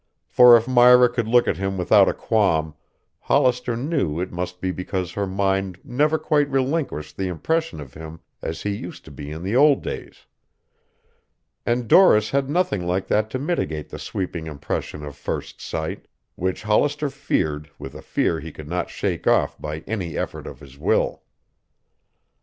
For if Myra could look at him without a qualm, Hollister knew it must be because her mind never quite relinquished the impression of him as he used to be in the old days. And Doris had nothing like that to mitigate the sweeping impression of first sight, which Hollister feared with a fear he could not shake off by any effort of his will.